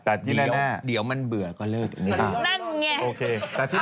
แต่ที่หน้าหน้าเดี๋ยวมันเบื่อก็เลิกอย่างนี้